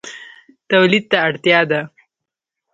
تولید ته اړتیا ده